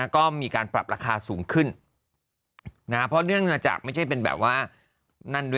ก็มีการปรับราคาสูงขึ้นนะคะเพราะเนื่องจากไม่ใช่เป็นแบบว่า